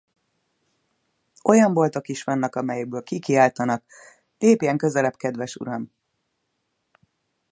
Olyan boltok is vannak, amelyekből kikiáltanak: Lépjen közelebb, kedves uram!